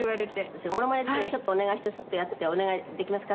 「そのモノマネっていうのお願いしてスッとやってお願いできますか？